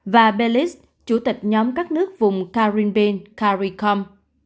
và belize chủ tịch nhóm các nước vùng caribbean caricom